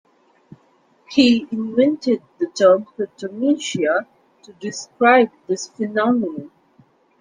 He invented the term cryptomnesia to describe this phenomenon.